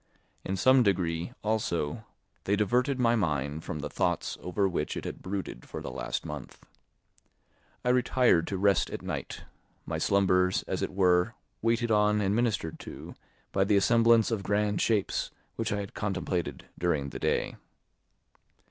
In some degree, also, they diverted my mind from the thoughts over which it had brooded for the last month. I retired to rest at night; my slumbers, as it were, waited on and ministered to by the assemblance of grand shapes which I had contemplated during the day.